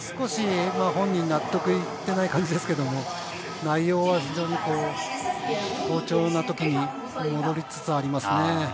少し本人納得いっていない感じですけど、内容は非常に好調な時に戻りつつありますね。